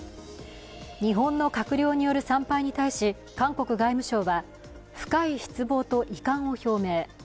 日本の閣僚による参拝に対し韓国外務省は深い失望と遺憾を表明。